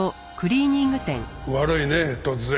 悪いね突然。